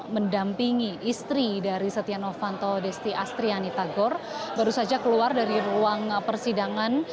mendampingi istri dari setia novanto desti astriani tagor baru saja keluar dari ruang persidangan